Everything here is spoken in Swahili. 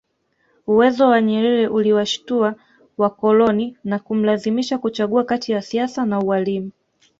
Uwezo wa Nyerere uliwashitua wakoloni na kumlazimisha kuchagua kati ya siasa na ualimu